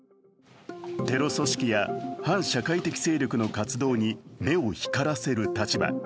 テロ組織や反社会的勢力の活動に目を光らせる立場。